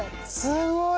すごい！